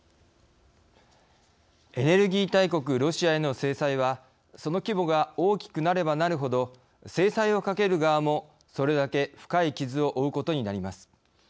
エネルギー大国ロシアへの制裁は、その規模が大きくなればなるほど制裁をかける側もそれだけ深い傷を負うことになります。